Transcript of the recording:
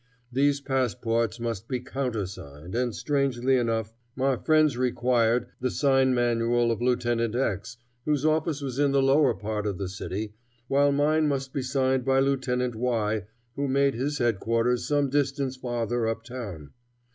These passports must be countersigned, and, strangely enough, my friend's required the sign manual of Lieutenant X., whose office was in the lower part of the city, while mine must be signed by Lieutenant Y., who made his head quarters some distance farther up town.